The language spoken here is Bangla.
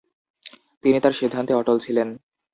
তিনি তাঁর সিদ্ধান্তে অটল ছিলেন।